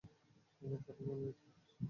সবাই তাকে নেতা হিসেবে মেনে চলে।